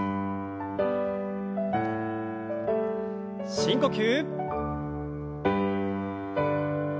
深呼吸。